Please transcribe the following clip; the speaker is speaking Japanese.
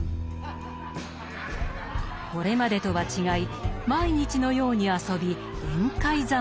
これまでとは違い毎日のように遊び宴会三昧。